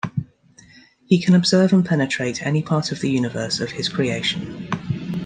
He can observe and penetrate any part of the universe of His creation.